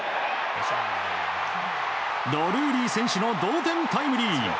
ドルーリー選手の同点タイムリー！